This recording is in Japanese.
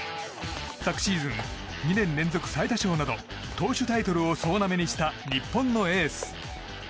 昨シーズン、２年連続最多勝など投手タイトルを総なめにした日本のエース。